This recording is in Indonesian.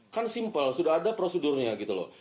kan simpel sudah ada prosedurnya gitu loh